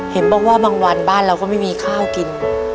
เห็นบอกว่าบางวันบ้านเราก็ไม่มีข้าวกิน